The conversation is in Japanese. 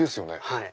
はい。